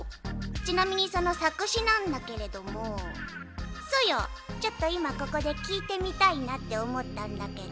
ちなみにその作詞なんだけれどもソヨちょっと今ここで聞いてみたいなって思ったんだけど。